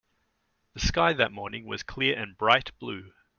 The sky that morning was clear and bright blue.